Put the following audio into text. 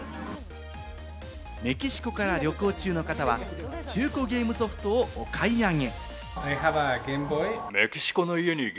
メキシコから旅行中の方は中古ゲームソフトをお買い上げ。